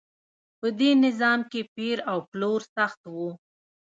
په دې نظام کې پیر او پلور سخت و.